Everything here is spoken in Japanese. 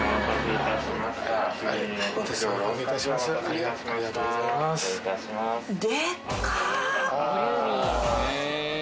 ありがとうございますデカっ！